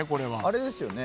あれですよね？